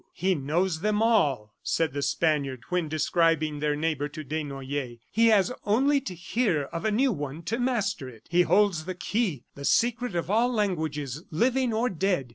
"He knows them all," said the Spaniard, when describing their neighbor to Desnoyers. "He has only to hear of a new one to master it. He holds the key, the secret of all languages, living or dead.